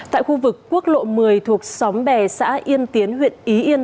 tại khu vực quốc lộ một mươi thuộc xóm bè xã yên tiến huyện ý yên